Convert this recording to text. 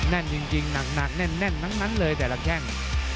แน่นจริงหนักแต่ละแข้ง